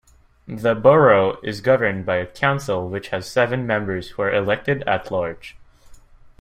The Borough is governed by a council which has seven members who are elected-at-large.